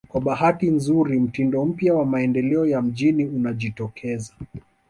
Kwa bahati nzuri mtindo mpya wa maendeleo ya mijini unajitokeza